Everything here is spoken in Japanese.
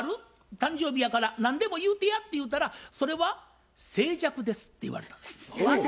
誕生日やから何でも言うてや」って言うたら「それは静寂です」って言われたんですね。